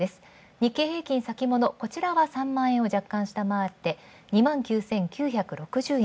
日経平均先物、こちらは３万円を若干、下回って２９９６０円。